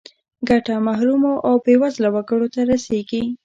ګټه محرومو او بې وزله وګړو ته رسیږي.